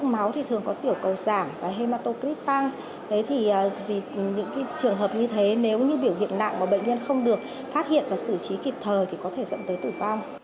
phát hiện và xử trí kịp thời thì có thể dẫn tới tử vong